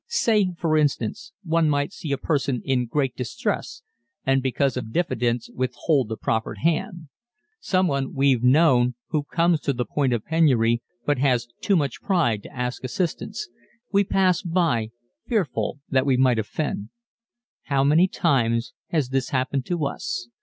Say, for instance, one might see a person in great distress and because of diffidence withhold the proffered hand someone we've known who comes to the point of penury but has too much pride to ask assistance we pass by fearful that we might offend. How many times has this happened to us?